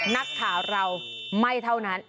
นักข่าวเราไม่เท่านั้น